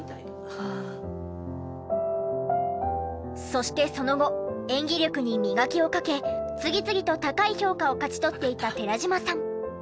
そしてその後演技力に磨きをかけ次々と高い評価を勝ち取っていった寺島さん。